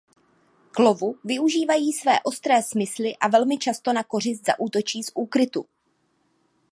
K lovu využívají své ostré smysly a velmi často na kořist zaútočí z úkrytu.